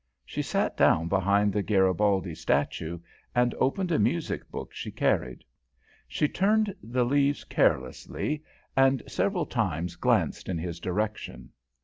She sat down behind the Garibaldi statue and opened a music book she carried. She turned the leaves carelessly, and several times glanced in his direction.